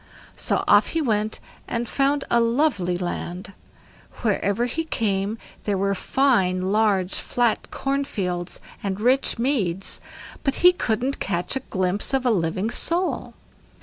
So off he went and found a lovely land; wherever he came there were fine large flat corn fields and rich meads, but he couldn't catch a glimpse of a living soul.